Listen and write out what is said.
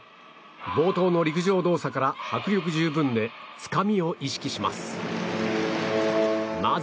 冒頭の陸上動作から迫力十分でつかみを意識します。